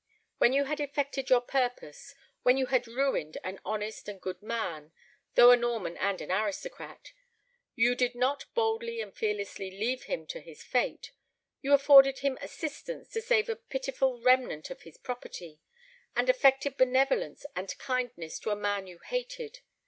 When you had effected your purpose when you had ruined an honest and good man, though a Norman and an aristocrat you did not boldly and fearlessly leave him to his fate; you afforded him assistance to save a pitiful remnant of his property, and affected benevolence and kindness to a man you hated.